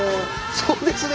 そうですね。